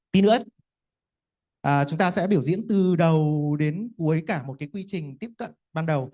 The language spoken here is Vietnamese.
tin nữa chúng ta sẽ biểu diễn từ đầu đến cuối cả một quy trình tiếp cận ban đầu